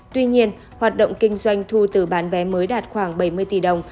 tuy nhiên hoạt động kinh doanh thu từ bán vé mới đạt khoảng bảy mươi tỷ đồng